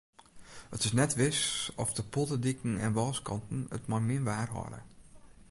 It is net wis oft de polderdiken en wâlskanten it mei min waar hâlde.